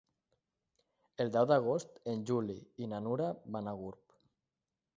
El deu d'agost en Juli i na Nura van a Gurb.